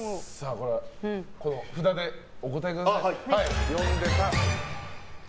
札でお答えください。